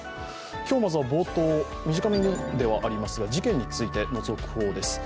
今日まずは冒頭、短めにではありますが事件についての続報です。